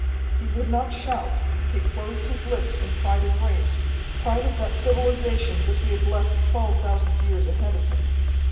He would not shout; he closed his lips in pride of race, pride of that civilization that he had left twelve thousand years ahead of him.